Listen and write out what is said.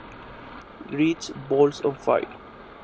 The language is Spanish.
Great Balls of Fire!